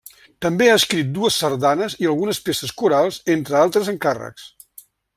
També ha escrit dues sardanes i algunes peces corals, entre altres encàrrecs.